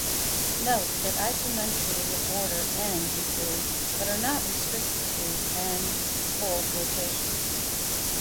Note that isometries of order "n" include, but are not restricted to, "n"-fold rotations.